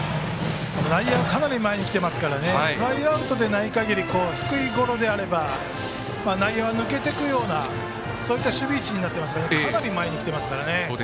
内野はかなり前に来ていますからフライアウトでない限り低いゴロであれば内野を抜けていくような守備位置になっていますがかなり前に来ていますから。